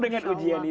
dengan ujian itu